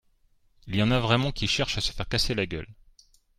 Il y en a vraiment qui cherchent à se faire casser la gueule